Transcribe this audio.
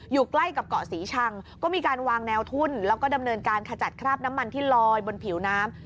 อยู่ใกล้กับเกาะศรีชังก็มีการวางแนวทุ่นแล้วก็ดำเนินการขจัดคราบน้ำมันที่ลอยบนผิวน้ำ